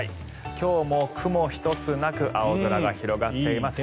今日も雲一つなく青空が広がっています。